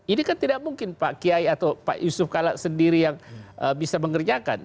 ini kan tidak mungkin pak kiai atau pak yusuf kalla sendiri yang bisa mengerjakan